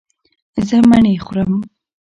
زه مڼې خورم